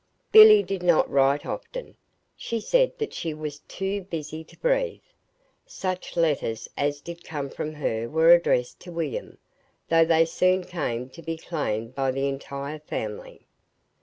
Billy did not write often. She said that she was "too busy to breathe." Such letters as did come from her were addressed to William, though they soon came to be claimed by the entire family.